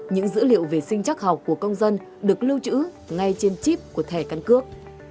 những dữ liệu về sinh chắc học của công dân được lưu trữ ngay trên chip của thẻ căn cước